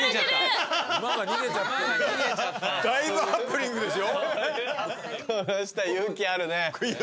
だいぶハプニングですよ。